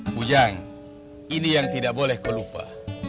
bujang ini yang tidak boleh kau lupa